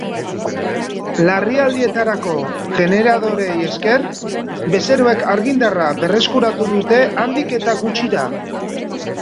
Larrialdietarako generadoreei esker, bezeroek argindarra berreskuratu dute handik eta gutxira.